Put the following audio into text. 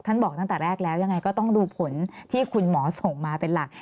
บอกตั้งแต่แรกแล้วยังไงก็ต้องดูผลที่คุณหมอส่งมาเป็นหลัก